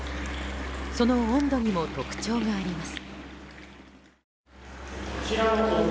その温度にも特徴があります。